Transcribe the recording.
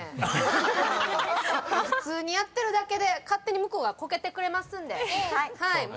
普通にやってるだけで勝手に向こうがコケてくれます。